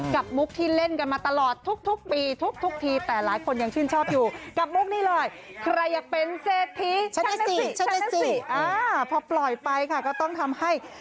กับมุกที่เล่นกันมาตลอดทุกปี